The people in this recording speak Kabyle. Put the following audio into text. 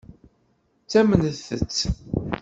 Ttamnent-tt.